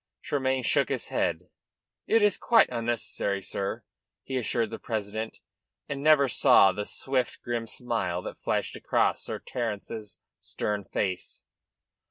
Tremayne shook his head. "It is quite unnecessary, sir," he assured the president, and never saw the swift, grim smile that flashed across Sir Terence's stern face.